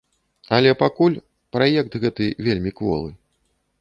Але пакуль праект гэты вельмі кволы.